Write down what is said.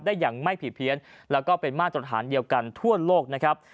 อย่างไม่ผิดเพี้ยนแล้วก็เป็นมาตรฐานเดียวกันทั่วโลกนะครับ